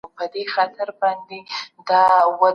مثبت فکر روغتیا نه ځنډوي.